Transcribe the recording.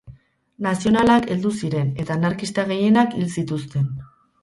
Nazionalak heldu ziren eta anarkista gehienak hil zituzten.